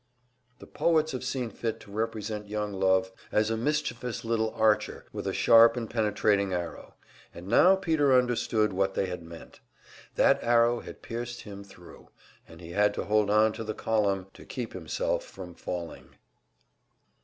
The poets have seen fit to represent young love as a mischievous little archer with a sharp and penetrating arrow, and now Peter understood what they had meant; that arrow had pierced him thru, and he had to hold on to the column to keep himself from falling.